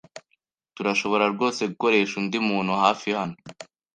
Turashobora rwose gukoresha undi muntu hafi hano.